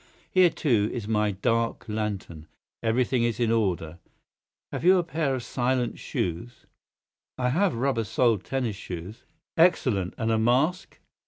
Here, too, is my dark lantern. Everything is in order. Have you a pair of silent shoes?" "I have rubber soled tennis shoes." "Excellent. And a mask?"